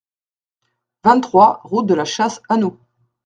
vingt-trois route de la Chasse Hannot